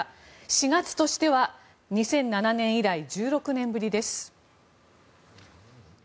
４月としては２００７年以来１６年ぶりです。